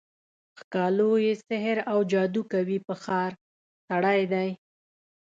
ښکالو یې سحراوجادوکوي په ښار، سړی دی